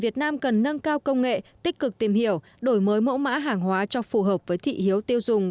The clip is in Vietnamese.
việt nam cần nâng cao công nghệ tích cực tìm hiểu đổi mới mẫu mã hàng hóa cho phù hợp với thị hiếu tiêu dùng